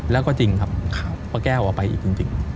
แล้วก็จริงครับพ่อแก้วออกไปอีกจริง